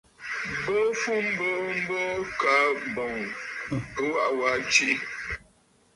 Bo fu mboo mboo, kaa ɨ̀bɔ̀ŋ ɨ waʼa waa tiʼì.